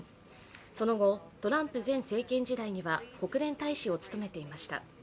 その後、トランプ前政権時代には国連大使を務めていました。